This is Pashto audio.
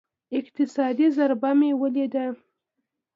اقتصادي ضربه مې وليده.